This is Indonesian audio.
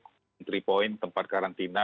entry point tempat karantina